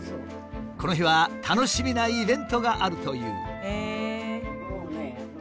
この日は楽しみなイベントがあるという。